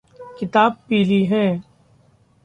किताब पीली है।